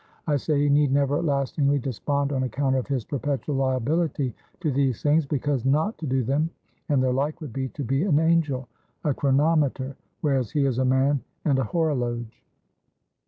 I say he need never lastingly despond on account of his perpetual liability to these things; because not to do them, and their like, would be to be an angel, a chronometer; whereas, he is a man and a horologe.